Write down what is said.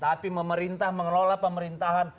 tapi pemerintah mengelola pemerintahan